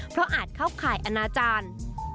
เพราะอาจเข้าข่ายอนาจารย์